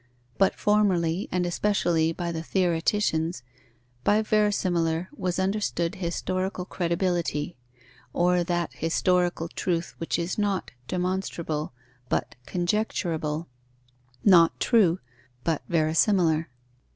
But formerly, and especially by the theoreticians, by verisimilar was understood historical credibility, or that historical truth which is not demonstrable, but conjecturable, not true, but verisimilar.